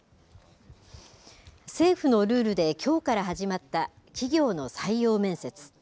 政府のルールできょうから始まった企業の採用面接。